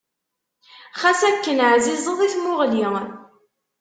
Xas akken ɛzizeḍ i tmuɣli.